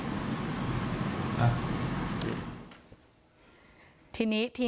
พี่สาวบอกว่าไม่ได้ไปกดยกเลิกรับสิทธิ์นี้ทำไม